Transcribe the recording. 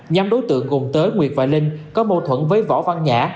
nhóm đối tượng gồm tới nguyệt và linh có mâu thuẫn với võ văn nhã